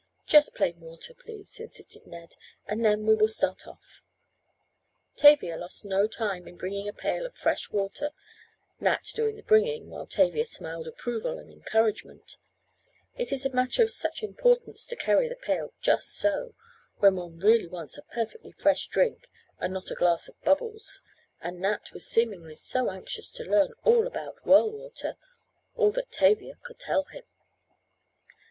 "Just plain water, please," insisted Ned, "and then we will start off." Tavia lost no time in bringing a pail of fresh water Nat doing the bringing, while Tavia smiled approval and encouragement; it is a matter of such importance to carry the pail just so, when one really wants a perfectly fresh drink and not a glass of bubbles, and Nat was seemingly so anxious to learn all about well water all that Tavia could tell him.